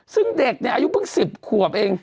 ซึ่งเด็กเนี่ยอายุเพิ่ง๑๐ขวบเอง